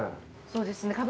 そうですね